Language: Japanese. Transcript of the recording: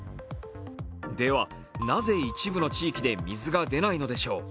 では、なぜ一部の地域で水が出ないのでしょう。